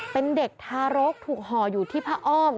เป็นเด็กทารกถูกห่ออยู่ที่ผ้าอ้อม